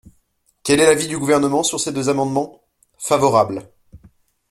Quel est l’avis du Gouvernement sur ces deux amendements ? Favorable.